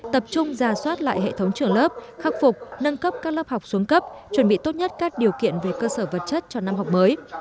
tập trung ra soát lại hệ thống trường lớp khắc phục nâng cấp các lớp học xuống cấp chuẩn bị tốt nhất các điều kiện về cơ sở vật chất cho năm học mới